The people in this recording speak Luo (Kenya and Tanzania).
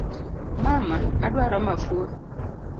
Mama, aduaro mafua